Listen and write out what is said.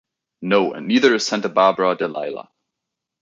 No, and neither is Santa Barbara, Delilah.